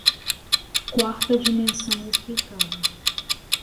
Quarta dimensão explicada